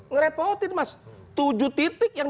ngerepotin mas tujuh titik yang